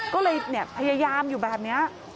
ก็เลยพยายามอยู่แบบนี้